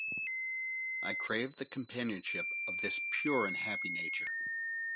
I craved the companionship of this pure and happy nature.